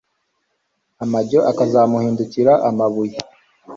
amajyo akazamuhindukira amabuye